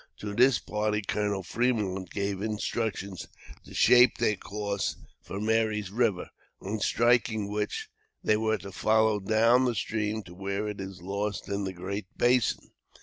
To this party Colonel Fremont gave instructions to shape their course for Mary's River; on striking which, they were to follow down the stream to where it is lost in the Great Basin.